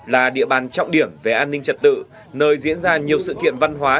là địa bàn trọng điểm về an ninh trật tự nơi diễn ra nhiều sự kiện văn hóa